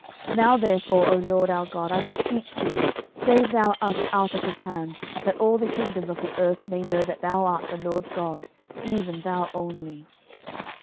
12:019:019 Now therefore, O LORD our God, I beseech thee, save thou us out of his hand, that all the kingdoms of the earth may know that thou art the LORD God, even thou only.